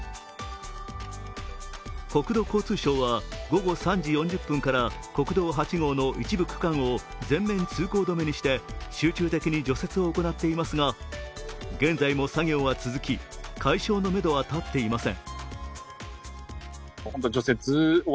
国土交通省は午後３時４０分から国道８号の一部区間を全面通行止めにして集中的に除雪を行っていいますが現在も作業は続き、解消のめどは立っていません。